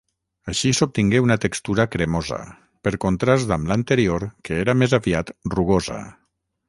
Així s'obtingué una textura cremosa, per contrast amb l'anterior que era més aviat rugosa.